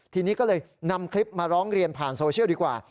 ทีนี้ก็เลยนำคลิปมาร้องเรียนผ่านโซเชียลดีกว่า